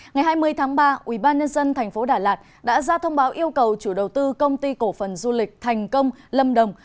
ngày hai mươi tháng ba ubnd tp đà lạt đã ra thông báo yêu cầu chủ đầu tư công ty cổ phần du lịch thành công lâm đồng